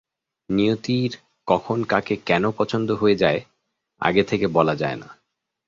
নিয়তির কখন কাকে কেন পছন্দ হয়ে যায়, আগে থেকে বলা যায় না।